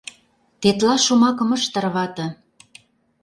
Тетла шомакым ыш тарвате.